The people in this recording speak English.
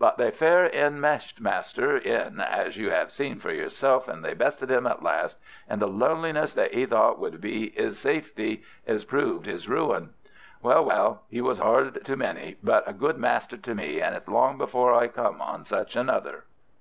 But they fair 'emmed master in, as you 'ave seen for yourself, and they bested 'im at last, and the loneliness that 'e thought would be 'is safety 'as proved 'is ruin. Well, well, 'e was 'ard to many, but a good master to me, and it's long before I come on such another."